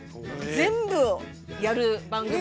全部をやる番組なので。